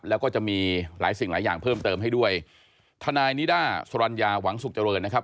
แล้วก็จะมีหลายสิ่งหลายอย่างเพิ่มเติมให้ด้วยทนายนิด้าสรรญาหวังสุขเจริญนะครับ